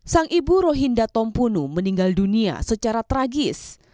sang ibu rohinda tompunu meninggal dunia secara tragis